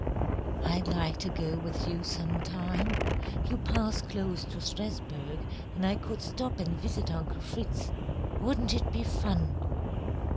"I'd like to go with you sometime. You pass close to Strasburg, and I could stop and visit Uncle Fritz. Wouldn't it be fun!"